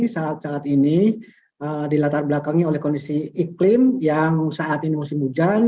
saat saat ini dilatar belakangi oleh kondisi iklim yang saat ini musim hujan